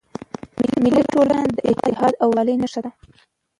مېلې د ټولني د اتحاد او ورورولۍ نخښه ده.